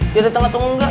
dia datang atau enggak